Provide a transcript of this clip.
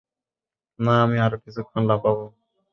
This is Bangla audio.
না, আমি আরও কিছুক্ষণ লাফাবো।